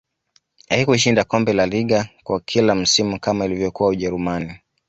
haikushinda kombe lalaliga kwa kila msimu kama alivyokuwa ujerumani